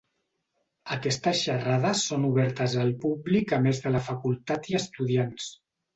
Aquestes xarrades són obertes al públic a més de la facultat i estudiants.